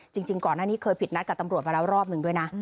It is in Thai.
จริงก่อนหน้านี้เคยผิดนัดกับตำรวจมาแล้วรอบหนึ่งด้วยนะ